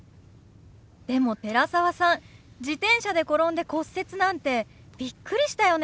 でも寺澤さん自転車で転んで骨折なんてビックリしたよね。